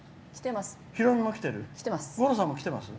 きてます？